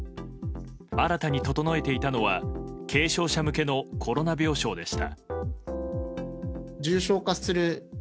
新たに整えていたのは軽症者向けのコロナ病床でした。